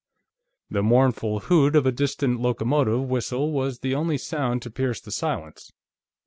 The mournful hoot of a distant locomotive whistle was the only sound to pierce the silence.